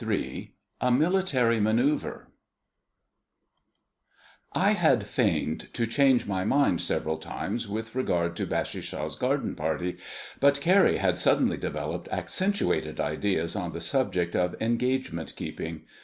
III A MILITARY MANŒUVRE I had feigned to change my mind several times with regard to Bassishaw's garden party, but Carrie had suddenly developed accentuated ideas on the subject of engagement keeping.